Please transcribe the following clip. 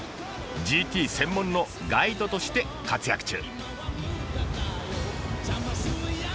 ＧＴ専門のガイドとして活躍中。